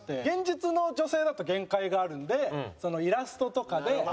現実の女性だと限界があるのでイラストとかで。